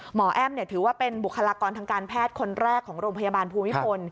แอ้มถือว่าเป็นบุคลากรทางการแพทย์คนแรกของโรงพยาบาลภูมิพล